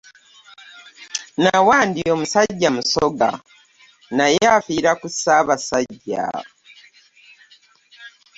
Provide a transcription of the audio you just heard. Nawandyo musajja musoga naye afiira ku Ssaabasajja.